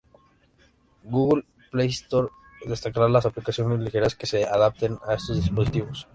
Google Play Store destacará las aplicaciones ligeras que se adapten a estos dispositivos.